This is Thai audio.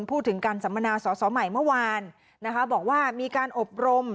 พูดถึงการสัมมนาสอสอใหม่เมื่อวานนะคะบอกว่ามีการอบรม